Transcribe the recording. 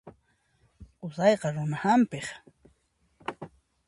Qusayqa runa hampiq.